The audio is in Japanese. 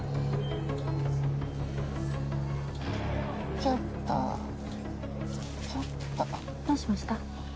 ちょっとちょっとどうしました？